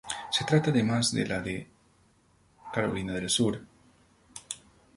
Se trata además de la de Carolina del Sur.